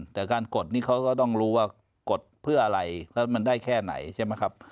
แต่การกดนี่เขาก็ต้องรู้ว่ากดเพื่ออะไรแล้วมันได้แค่ไหนใช่ไหมครับ